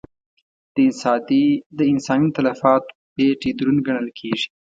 د انساني تلفاتو پېټی دروند ګڼل کېږي.